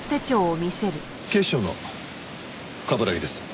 警視庁の冠城です。